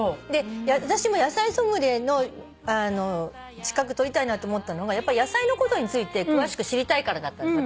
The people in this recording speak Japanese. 私も野菜ソムリエの資格取りたいなと思ったのが野菜のことについて詳しく知りたいからだったんです。